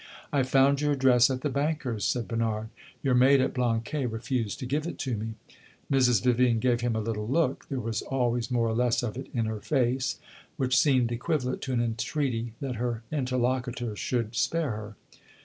"I found your address at the banker's," said Bernard. "Your maid, at Blanquais, refused to give it to me." Mrs. Vivian gave him a little look there was always more or less of it in her face which seemed equivalent to an entreaty that her interlocutor should spare her.